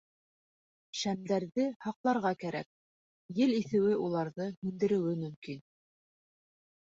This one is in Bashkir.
Шәмдәрҙе һаҡларға кәрәк: ел иҫеүе уларҙы һүндереүе мөмкин...